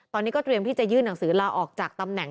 ตอนนี้ก็เตรียมที่จะยื่นหนังสือลาออกจากตำแหน่ง